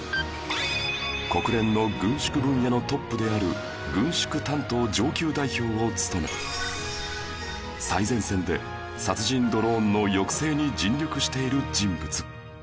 国連の軍縮分野のトップである軍縮担当上級代表を務め最前線で殺人ドローンの抑制に尽力している人物